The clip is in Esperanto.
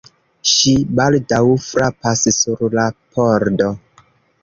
Ŝi baldaŭ frapas sur la pordo.